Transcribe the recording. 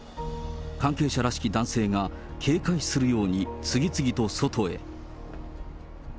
関係者らしき男性が警戒するように次々と外へ。